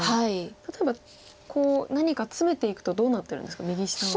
例えばこう何かツメていくとどうなってるんですか右下は。